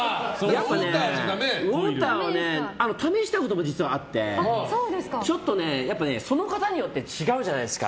ウォーターは試したことはあってちょっと、その型によって違うじゃないですか。